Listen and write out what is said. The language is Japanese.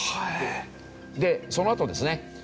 でそのあとですね